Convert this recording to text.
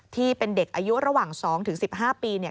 ที่เป็นเด็กอายุระหว่าง๒๑๕ปีเนี่ย